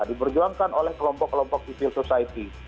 diperjuangkan oleh kelompok kelompok civil society